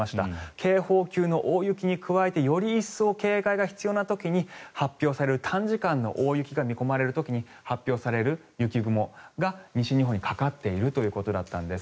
警報級の大雪に加えてより一層警戒が必要な時に発表される、短時間の大雪が見込まれる時に発表される雪雲が西日本にかかっているということだったんです。